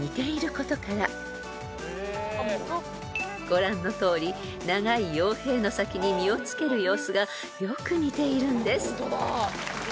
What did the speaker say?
［ご覧のとおり長い葉柄の先に実をつける様子がよく似ているんです］